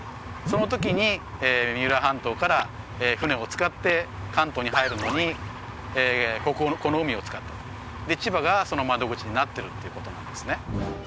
その時に三浦半島から舟を使って関東に入るのにこここの海を使ったとで千葉がその窓口になっているということなんですね